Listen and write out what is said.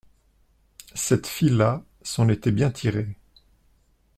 Cette fille-là s’en était bien tirée.